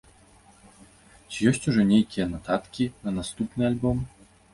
Ці ёсць ужо нейкія нататкі на наступны альбом?